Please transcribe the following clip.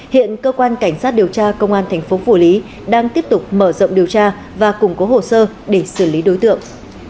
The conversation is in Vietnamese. hiện cơ quan cảnh sát điều tra công an thành phố phủ lý đang tiếp tục mở rộng điều tra và củng cố hồ sơ để xử lý đối tượng